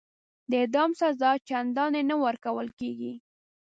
د اعدام سزا چنداني نه ورکول کیږي.